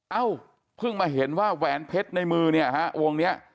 เอ้าเพิ่งมาเห็นว่าแหวนเพชรในมือเนี่ยฮะวงนี้